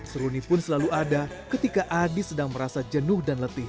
seruni pun selalu ada ketika adi sedang merasa jenuh dan letih